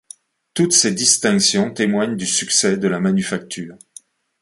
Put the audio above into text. Toutes ces distinctions témoignent du succès de la manufacture.